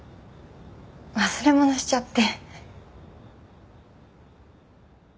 忘れ物しちゃって。